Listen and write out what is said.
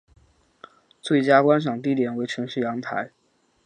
最佳观赏地点为城市阳台。